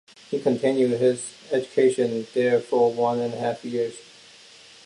He continued his education there for one and half years.